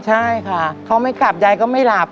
ใช่ค่ะเขาไม่กลับยายก็ไม่หลับ